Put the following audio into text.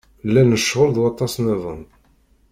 Llan lecɣal d waṭas-nniḍen.